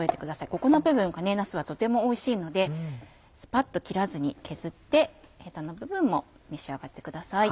ここの部分がなすはとてもおいしいのでスパっと切らずに削ってヘタの部分も召し上がってください。